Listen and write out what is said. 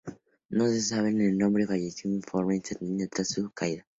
No se sabe si el hombre falleció de forma instantánea tras su caída.